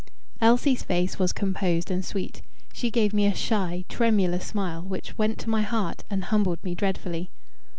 Elsie's face was composed and sweet. She gave me a shy tremulous smile, which went to my heart and humbled me dreadfully.